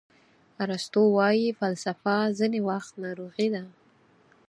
ارسطو وایي فلسفه ځینې وخت ناروغي ده.